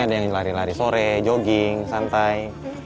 ada yang lari lari sore jogging santai